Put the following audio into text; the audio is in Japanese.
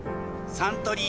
サントリー